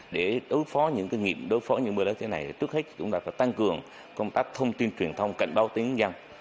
để đối phó những kinh nghiệm đối phó những mưa lũ thế này thì trước hết chúng ta phải tăng cường công tác thông tin truyền thông cạnh báo tiếng dân